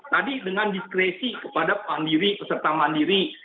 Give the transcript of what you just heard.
tadi dengan diskresi kepada mandiri peserta mandiri